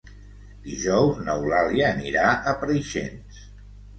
Dijous n'Eulàlia anirà a Preixens.